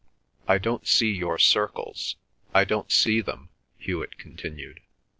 "I don't see your circles—I don't see them," Hewet continued.